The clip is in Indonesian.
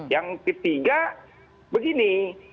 yang ketiga begini